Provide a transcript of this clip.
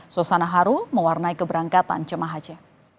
suasana haru mewarnai keberangkatan jemaah haji